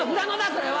それは。